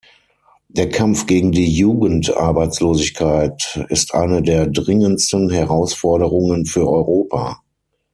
Der Kampf gegen die Jugendarbeitslosigkeit ist eine der dringendsten Herausforderungen für Europa.